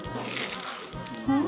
うん！